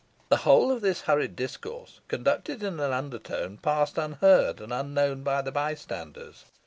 The whole of this hurried discourse, conducted in an under tone, passed unheard and unnoticed by the bystanders.